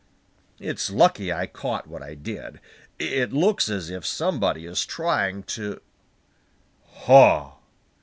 It's lucky I caught what I did. It looks as if somebody is trying to ha!"